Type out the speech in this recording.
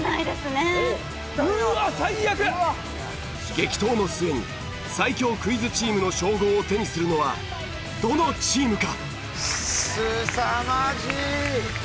激闘の末に最強クイズチームの称号を手にするのはどのチームか？